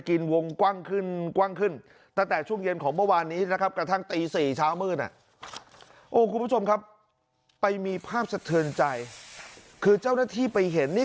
กินวงกว้างขึ้นกว้างขึ้นตั้งแต่ช่วงเย็นของเมื่อวานนี้